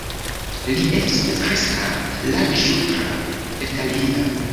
Li estis mezkreska, larĝŝultra, beltalia.